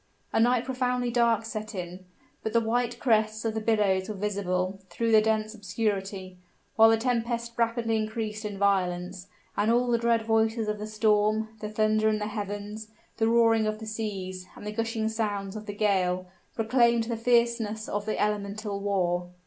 A night profoundly dark set in; but the white crests of the billows were visible through that dense obscurity: while the tempest rapidly increased in violence, and all the dread voices of the storm, the thunder in the heavens, the roaring of the sea, and the gushing sounds of the gale, proclaimed the fierceness of the elemental war.